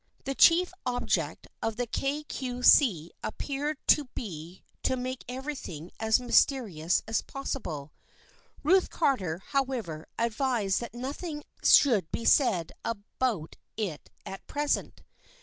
The chief object of the Kay Cue See appeared to be to make everything as mys terious as possible. Ruth Carter, however, advised that nothing should be said about it at present.